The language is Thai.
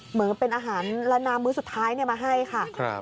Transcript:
เหมือนเป็นอาหารและน้ำมื้อสุดท้ายมาให้ค่ะ